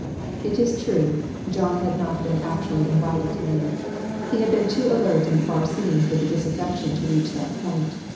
It is true, John had not been actually invited to leave. He had been too alert and far seeing for the disaffection to reach that point.